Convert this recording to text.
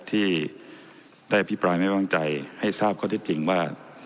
ที่ได้อภิปรายไม่วางใจให้ทราบข้อเท็จจริงว่า